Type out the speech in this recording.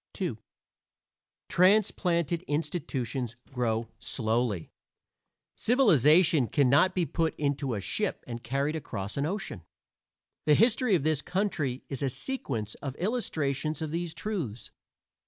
II Transplanted institutions grow slowly; civilization can not be put into a ship and carried across an ocean. The history of this country is a sequence of illustrations of these truths.